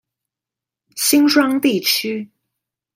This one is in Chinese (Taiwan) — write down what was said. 新莊地區